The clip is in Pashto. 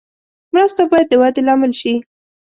مرسته باید د ودې لامل شي.